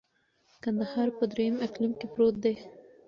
کندهار په دریم اقلیم کي پروت دی.